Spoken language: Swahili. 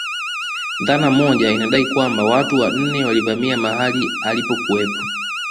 Dhana moja inadai kwamba watu wanne walivamia mahali alipokuwepo